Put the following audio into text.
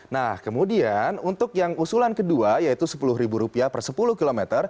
nah kemudian untuk yang usulan kedua yaitu rp sepuluh per sepuluh km